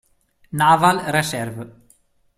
Naval Reserve.